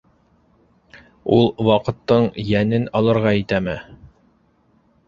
Ул ваҡыттың йәнен алырға итәме!